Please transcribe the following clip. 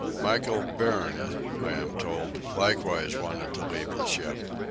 Michael Byrne, I am told, likewise wanted to leave the ship.